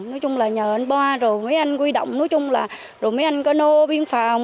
nói chung là nhờ anh ba rồi mấy anh huy động nói chung là rồi mấy anh cano biên phòng